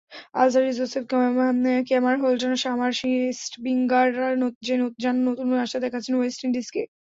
Alzarri Joseph, Kemar Holder, Shamar স্প্রিঙ্গাররা যেন নতুন আশা দেখাচ্ছেন ওয়েস্ট ইন্ডিজকে।